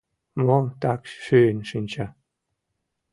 — Мом так шӱйын шинча.